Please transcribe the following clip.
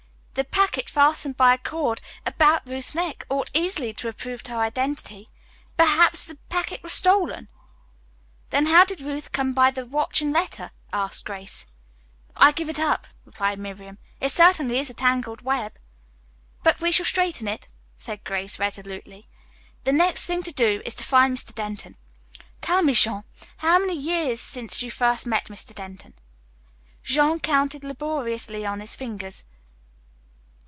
The packet fastened by a cord about Ruth's neck ought easily to have proved her identity. Perhaps the packet was stolen." "Then how did Ruth come by the watch and letter?" asked Grace. "I give it up," replied Miriam. "It certainly is a tangled web." "But we shall straighten it," said Grace resolutely. "The next thing to do is to find Mr. Denton. Tell me, Jean, how many years since you first met Mr. Denton?" Jean counted laboriously on his fingers.